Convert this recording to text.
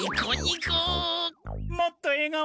もっとえがおで！